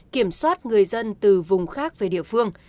kiểm soát người dân từ vùng khác về địa phương